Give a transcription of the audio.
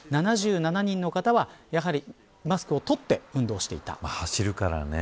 ７７人の方はやはりマスクを取ってまあ、走るからね。